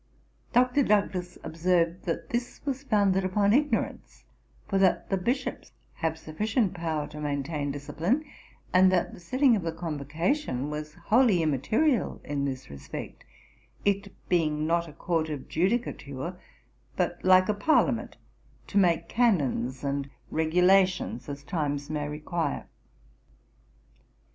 Dr. Douglas observed, that this was founded upon ignorance; for that the Bishops have sufficient power to maintain discipline, and that the sitting of the Convocation was wholly immaterial in this respect, it being not a Court of judicature, but like a parliament, to make Canons and regulations as times may require.